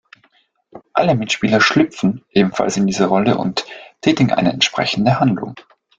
Alle Mitspieler "schlüpfen" ebenfalls in diese Rolle und tätigen eine entsprechende Handlung.